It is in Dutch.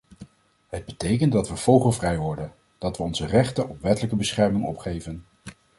Het betekent dat we vogelvrij worden, dat we onze rechten op wettelijke bescherming opgeven.